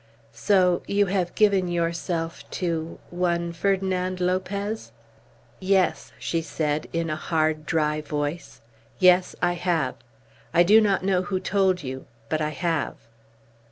"So you have given yourself to one Ferdinand Lopez!" "Yes," she said, in a hard, dry voice. "Yes; I have. I do not know who told you; but I have."